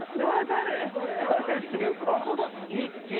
誰っていうか。